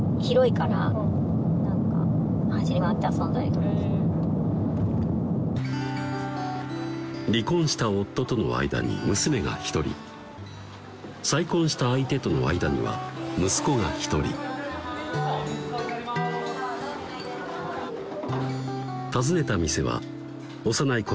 フッ別に離婚した夫との間に娘が１人再婚した相手との間には息子が１人訪ねた店は幼い頃